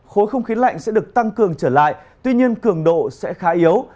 khối không khí lạnh sẽ được tăng cường trở lại tuy nhiên cường độ sẽ khá yếu